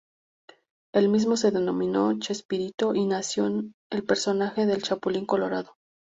El mismo se denominó "Chespirito" y nació el personaje del Chapulín Colorado.